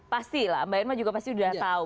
pasti lah mbak irma juga pasti sudah tahu